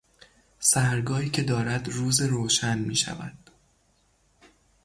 سحرگاهی که دارد روز روشن میشود